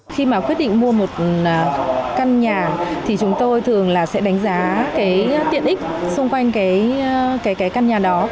khi mà quyết định mua một căn nhà thì chúng tôi thường là sẽ đánh giá cái tiện ích xung quanh cái căn nhà đó